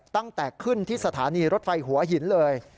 ตั้งแต่ขึ้นที่สถานีรถไฟหัวหินเลย